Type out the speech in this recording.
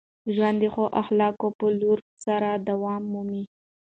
ژوند د ښو اخلاقو په لرلو سره دوام مومي.